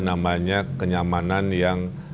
namanya kenyamanan yang